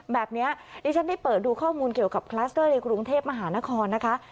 แบบนี้ดิฉันได้เปิดดูข้อมูลเกี่ยวกับคลัสเตอร์ในกรุงเทพมหานครนะคะ